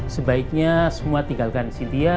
sebaiknya semua tinggalkan cynthia